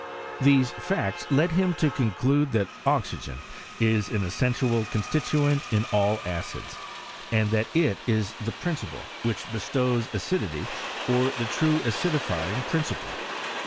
These facts led him to conclude, that oxygen is an essential constituent ia all acids, and that it is the principle which bestows acidity or the true acidifying principle.